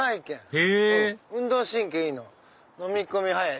へぇ運動神経いいののみ込み早い。